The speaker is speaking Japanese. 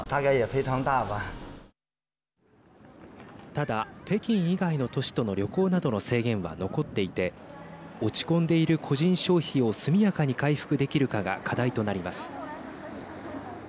ただ、北京以外の都市との旅行などの制限は残っていて落ち込んでいる個人消費を速やかに回復できるかが課題となります。